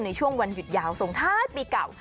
ในช่วงวันหยุดยาวส่งท้ายปีเก่า